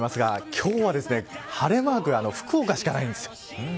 今日は晴れマーク福岡しかないんです。